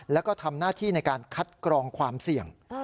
แล้วก็ทำหน้าที่ในการคัดกรองความเสี่ยง